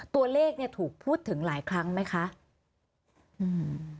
ตัวเลขเนี้ยถูกพูดถึงหลายครั้งไหมคะอืม